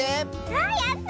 あやった！